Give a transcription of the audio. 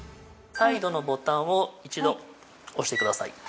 サイドのボタンを一度押してください。